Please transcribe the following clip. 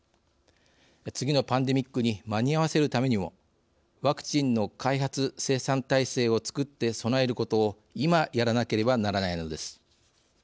次のパンデミックに間に合わせるためにもワクチンの開発・生産体制を作って備えることを今やらなければならないのです。